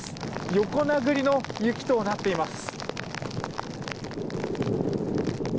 横殴りの雪となっています。